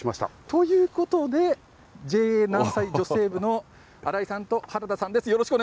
ということで、ＪＡ南彩女性部の新井さんと原田さんです。